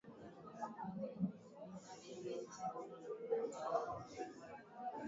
Kongo inaongeza zaidi ya watu milioni tisini katika Jumuiya ya Afrika Mashariki yenye watu milioni mia moja sabini na saba